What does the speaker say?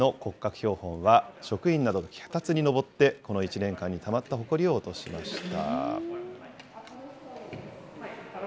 標本は、職員などが脚立に登ってこの１年間にたまったほこりを落としました。